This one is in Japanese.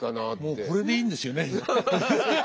もうこれでいいんですよね。